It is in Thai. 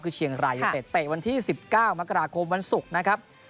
คือเชียงรายยูเต็ดเตะวันที่๑๙มกราคมวันศุกร์นะครับ